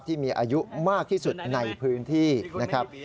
ที่มีอายุมากที่สุดในพื้นที่นะครับ